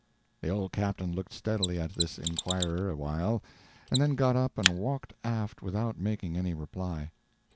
The old captain looked steadily at this inquirer awhile, and then got up and walked aft without making any reply.